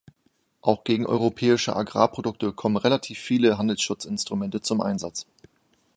Auch gegen europäische Agrarprodukte kommen relativ viele Handelsschutzinstrumente zum Einsatz.